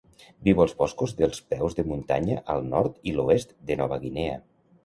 Viu als boscos dels peus de muntanya al nord i l'oest de Nova Guinea.